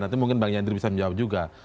nanti mungkin bang yandri bisa menjawab juga